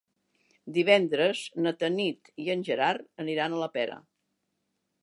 Divendres na Tanit i en Gerard aniran a la Pera.